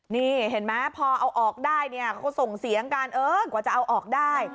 นี่เห็นไหมพอเอาออกได้เนี่ยเขาก็ส่งเสียงกันเออกว่าจะเอาออกได้